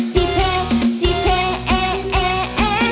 สิเปสิเปเอเอเอ